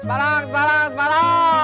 semarang semarang semarang